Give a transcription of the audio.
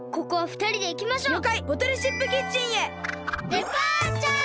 デパーチャー！